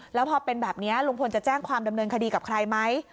แล้วพอเป็นแบบนี้ลุงพลจะแจ้งความดำเนินคดีกับใครไหม